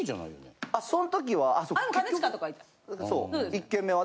一軒目は。